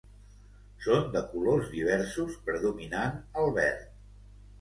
Són de colors diversos predominant el verd.